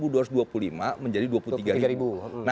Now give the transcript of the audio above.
dari sembilan belas dua puluh lima menjadi dua puluh tiga ribu